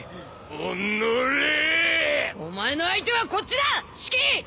おのれーっお前の相手はこっちだシキ！